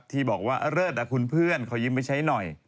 ที่บอกว่าเลิศคุณเพื่อนขอยืมไปใช้หน่อย